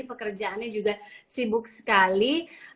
pekerjaannya juga sibuk sekali